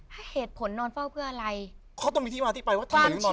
ถ้าเหตุผลนอนเฝ้าเพื่ออะไรเขาต้องมีที่มาอธิบายว่าทำไมต้องนอนเฝ้าศพ